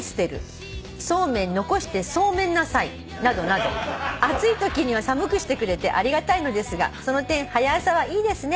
「そうめん残してそうめんなさいなどなどあついときには寒くしてくれてありがたいのですがその点『はや朝』はいいですね」